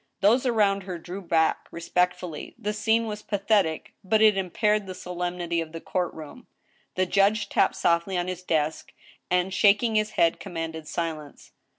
Those around her drew back respectfully. The scene was pa thetic, but it impaired the solemnity of the court room. The judge tapped softly on his desk, and, shaking his head, com manded silence.